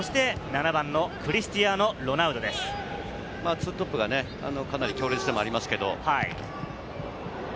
２トップがかなり強烈ではありますけれど。